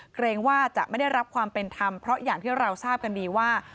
เกรงว่าจะไม่ได้รับความเป็นธรรมเพราะอย่างที่เราทราบกันดีว่า